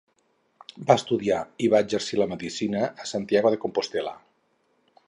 Va estudiar i va exercir la medicina a Santiago de Compostel·la.